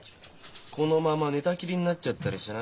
このまま寝たきりになっちゃったりしてな。